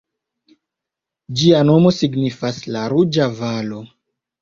Ĝia nomo signifas "La Ruĝa Valo".